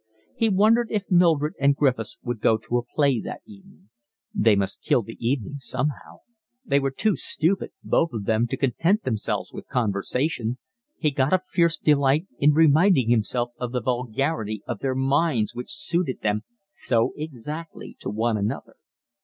He wondered if Mildred and Griffiths would go to a play that evening: they must kill the evening somehow; they were too stupid, both of them to content themselves with conversation: he got a fierce delight in reminding himself of the vulgarity of their minds which suited them so exactly to one another.